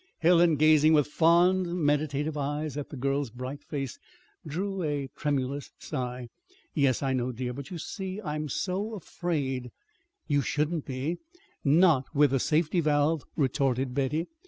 Helen, gazing with fond, meditative eyes at the girl's bright face, drew a tremulous sigh. "Yes, I know, dear; but, you see, I'm so afraid." "You shouldn't be not with a safety valve," retorted Betty.